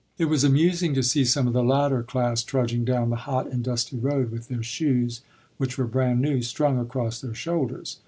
It was amusing to see some of the latter class trudging down the hot and dusty road, with their shoes, which were brand new, strung across their shoulders.